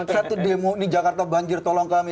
satu demo di jakarta banjir tolong kami